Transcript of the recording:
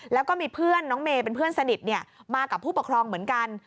แล้วก็มีเพื่อนน้องเมย์เป็นเพื่อนสนิทมากับผู้ปกครองเหมือนกัน